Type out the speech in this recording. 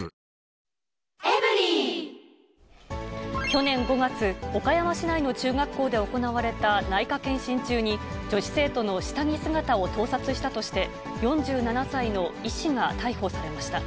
去年５月、岡山市内の中学校で行われた内科検診中に、女子生徒の下着姿を盗撮したとして、４７歳の医師が逮捕されました。